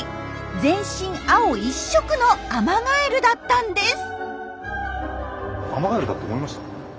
全身青一色のアマガエルだったんです。